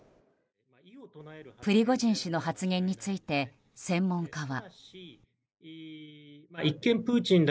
プリゴジン氏の発言について専門家は。